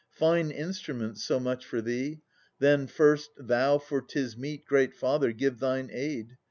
Fine instrument, so much for thee ! Then, first, Thou, for 'tis meet, great Father, give thine aid.